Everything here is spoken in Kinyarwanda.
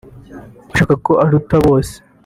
ashaka ko aruta bose